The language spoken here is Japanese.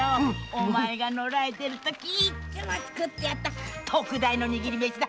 お前が野良へ出るときいっつも作ってやった特大の握り飯だ。